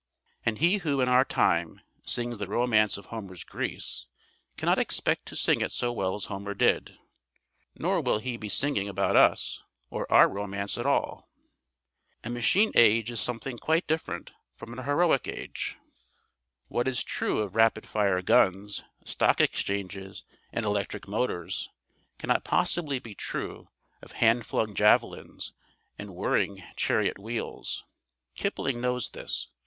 And he who in our time sings the romance of Homer's Greece cannot expect to sing it so well as Homer did, nor will he be singing about us or our romance at all. A machine age is something quite different from an heroic age. What is true of rapid fire guns, stock exchanges, and electric motors, cannot possibly be true of hand flung javelins and whirring chariot wheels. Kipling knows this.